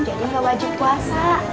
jadi gak wajib puasa